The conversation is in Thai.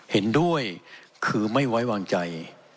เห็นด้วยคือไม่ไว้วางใจ